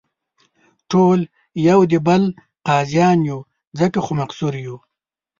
ټول یو دې بل قاضیان یو، ځکه خو مقصر یو.